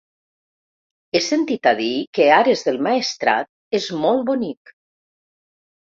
He sentit a dir que Ares del Maestrat és molt bonic.